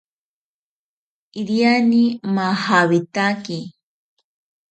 Iriani majawitaki